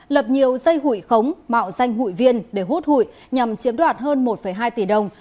lập nhiều dây hủy khống mạo danh hủy viên để hút hủy nhằm chiếm đoạt hơn một hai tỷ đồng